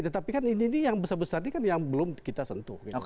tetapi kan ini yang besar besar ini kan yang belum kita sentuh